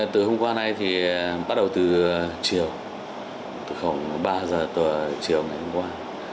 từ hôm qua nay thì bắt đầu từ chiều từ khoảng ba giờ tối chiều ngày hôm qua